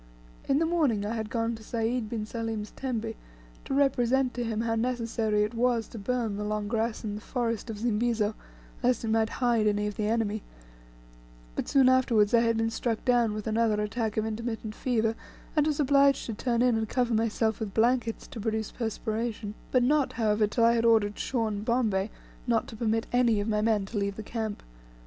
In the morning I had gone to Sayd bin Salim's tembe, to represent to him how necessary it was to burn the long grass in the forest of Zimbizo, lest it might hide any of the enemy; but soon afterwards I had been struck down with another attack of intermittent fever, and was obliged to turn in and cover myself with blankets to produce perspiration; but not, however, till I had ordered Shaw and Bombay not to permit any of my men to leave the camp.